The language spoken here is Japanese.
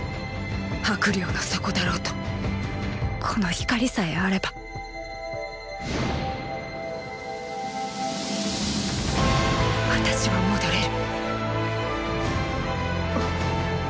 魄領の底だろうとこの光さえあれば私は戻れる。